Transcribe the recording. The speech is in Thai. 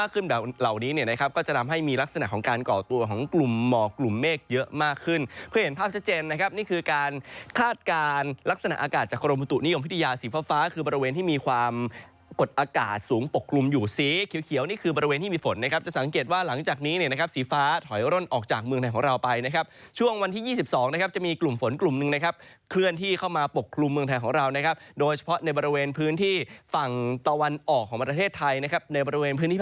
กดอากาศสูงปกกลุ่มอยู่สีเขียวนี่คือบริเวณที่มีฝนนะครับจะสังเกตว่าหลังจากนี้นะครับสีฟ้าถอยอดออกจากเมืองไทยของเราไปนะครับช่วงวันที่๒๒นะครับจะมีกลุ่มฝนกลุ่มหนึ่งนะครับเคลื่อนที่เข้ามาปกกลุ่มเมืองไทยของเรานะครับโดยเฉพาะในบริเวณพื้นที่ฝั่งตะวันออกของประเทศไทยนะครับในบร